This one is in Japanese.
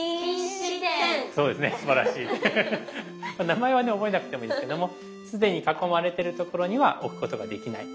名前はね覚えなくてもいいですけども既に囲まれてるところには置くことができない。